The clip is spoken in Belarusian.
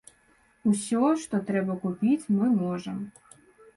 Усё, што трэба купіць, мы можам.